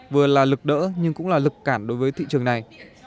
vừa là lực đỡ nhưng cũng là lực cản đối với thị trường này